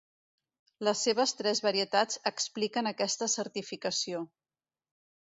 Les seves tres varietats expliquen aquesta certificació.